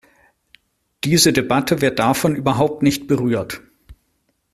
Diese Debatte wird davon überhaupt nicht berührt.